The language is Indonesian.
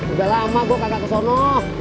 udah lama gua kagak kesana